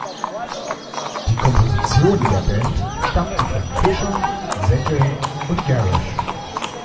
Die Kompositionen der Band stammten von Fischer, Seckel und Gerisch.